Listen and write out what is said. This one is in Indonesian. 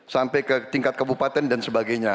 sampai ke tingkat kabupaten dan sebagainya